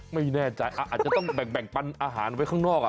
ไม่แน่ใจอาจจะต้องแบ่งเอาอาหารไปข้างนอกด้วย